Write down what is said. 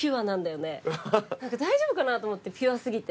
大丈夫かな？と思ってピュアすぎて。